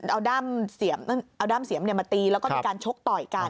เอาด้ามเสียมเอาด้ามเสียมเนี่ยมาตีแล้วก็เป็นการชกต่อยกัน